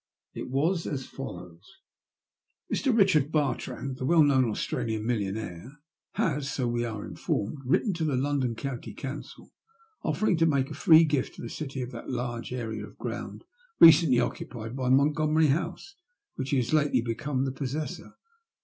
It was as follows: — 76 THE LUST OF HATE. " Mr. Biohard Barirand, the well known Anitralian millionaire, has, so we are informed, written to the London County Council offering to make a free gift to Ihe dty of that large area of ground recently occupied by Montgomery House, of which he has lately become the possessor.